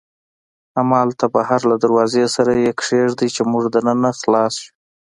همالته بهر له دروازې سره یې کېږدئ، چې موږ دننه خلاص یو.